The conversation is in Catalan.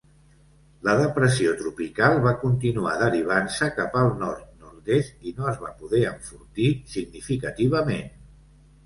La depressió tropical va continuar derivant-se cap al nord-nord-est, i no es va poder enfortir significativament.